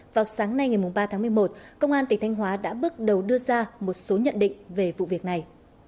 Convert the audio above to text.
vào sáng nay ngày ba tháng một mươi một công an tỉnh thanh hóa đã bước đầu đưa ra một số nhận định về vụ việc này